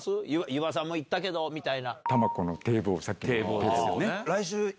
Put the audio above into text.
柚場さんも行ったけどみたいな。